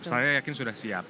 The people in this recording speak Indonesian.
saya yakin sudah siap